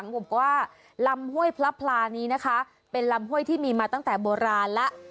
บอกว่าลำห้วยพระพลานี้นะคะเป็นลำห้วยที่มีมาตั้งแต่โบราณแล้ว